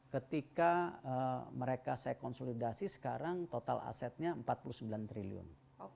ketika mereka saya konsolidasi sekarang total asetnya empat puluh sembilan triliun